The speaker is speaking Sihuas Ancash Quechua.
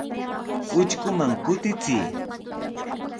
Utrkuman kutichiy.